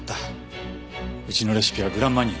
うちのレシピはグランマニエなのに。